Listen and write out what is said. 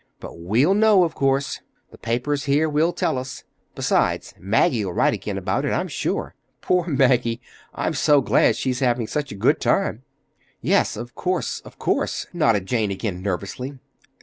But we'll know, of course. The papers here will tell us. Besides, Maggie'll write again about it, I'm sure. Poor Maggie! I'm so glad she's having such a good time!" "Yes, of course, of course," nodded Jane again nervously.